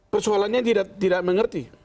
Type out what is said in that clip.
persoalannya tidak mengerti